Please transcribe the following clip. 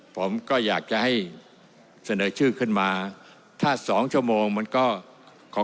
ผมก็อยากจะให้เสนอชื่อขึ้นมาถ้าสองชั่วโมงมันก็ขอ